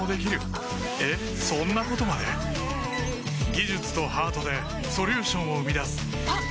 技術とハートでソリューションを生み出すあっ！